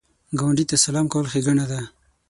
ګاونډي ته سلام کول ښېګڼه ده